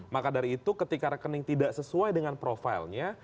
maka dari itu ketika rekening tidak sesuai dengan profilnya